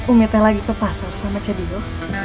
umi teh lagi ke pasar sama cedilo